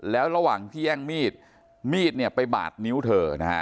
แล้วระหว่างที่แย่งมีดมีดไปบาดนิ้วเธอ